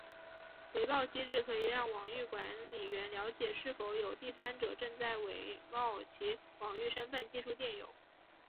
回报机制可以让网域管理员了解是否有第三者正在伪冒其网域身份寄出电邮。